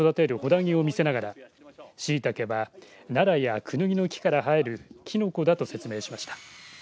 木を見せながらしいたけはならやくぬぎの木から生えるきのこだと説明しました。